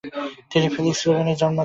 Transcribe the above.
তিনি ফেলিক্স রুবেনের জন্ম দেন।